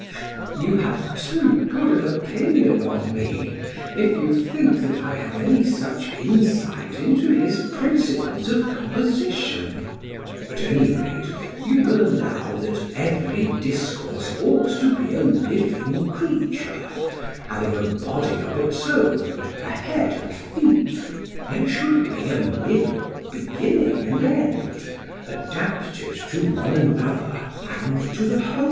PHAEDRUS: You have too good an opinion of me if you think that I have any such insight into his principles of composition. SOCRATES: At any rate, you will allow that every discourse ought to be a living creature, having a body of its own and a head and feet; there should be a middle, beginning, and end, adapted to one another and to the whole?